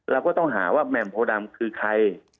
เราก็ต้องหาว่าแหม่มโพดำคือใคร